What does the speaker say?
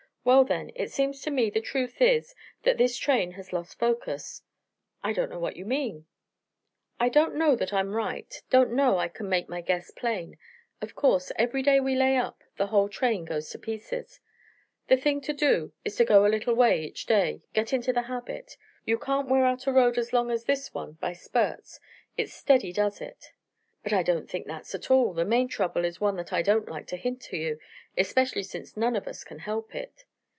"Well, then, it seems to me the truth is that this train has lost focus." "I don't know what you mean." "I don't know that I'm right don't know I can make my guess plain. Of course, every day we lay up, the whole train goes to pieces. The thing to do is to go a little way each day get into the habit. You can't wear out a road as long as this one by spurts it's steady does it. "But I don't think that's all. The main trouble is one that I don't like to hint to you, especially since none of us can help it."